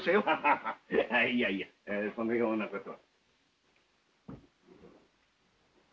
ハハハいやいやそのようなことは。